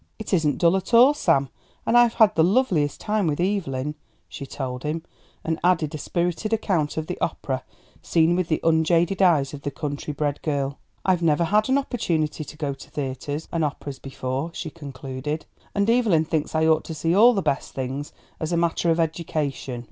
"It isn't dull at all, Sam, and I've had the loveliest time with Evelyn," she told him, and added a spirited account of the opera seen with the unjaded eyes of the country bred girl. "I've never had an opportunity to go to theatres and operas before," she concluded, "and Evelyn thinks I ought to see all the best things as a matter of education."